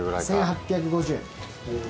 １，８５０円。